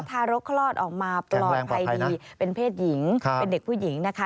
ทารกคลอดออกมาปลอดภัยดีเป็นเพศหญิงเป็นเด็กผู้หญิงนะคะ